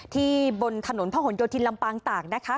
บนถนนพระหลโยธินลำปางตากนะคะ